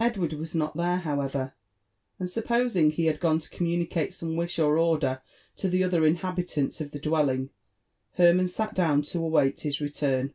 Edward was not there however ; and supposing he was gone toCorn munieate some wish or order to the other inhabitants of the dwelling, Hermann sat down to await his return.